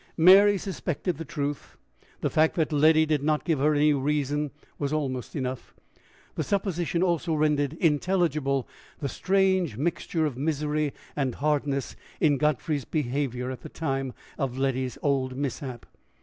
Mary suspected the truth. The fact that Letty did not give her any reason was almost enough. The supposition also rendered intelligible the strange mixture of misery and hardness in Godfrey's behavior at the time of Letty's old mishap.